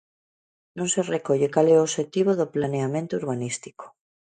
Non se recolle cal é o obxectivo do planeamento urbanístico.